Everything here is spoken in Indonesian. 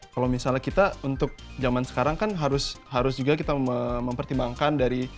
kalau misalnya kita untuk zaman sekarang kan harus juga kita mempertimbangkan dari